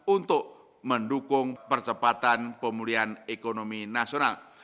untuk mendukung percepatan pemulihan ekonomi nasional